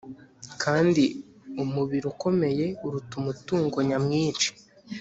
kandi umubiri ukomeye uruta umutungo nyamwinshi